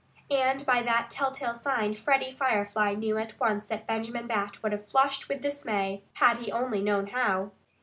And by that tell tale sign Freddie Firefly knew at once that Benjamin Bat would have flushed with dismay, had he only known how.